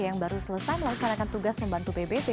yang baru selesai melaksanakan tugas membantu pbb